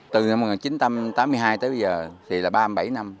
từ năm một nghìn chín trăm tám mươi hai tới bây giờ thì là ba mươi bảy năm